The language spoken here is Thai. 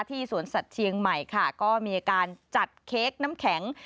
สวนสัตว์เชียงใหม่ค่ะก็มีการจัดเค้กน้ำแข็ง